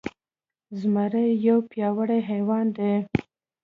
زمری يو پياوړی حيوان دی.